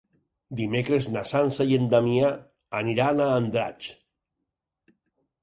Dimecres na Sança i en Damià aniran a Andratx.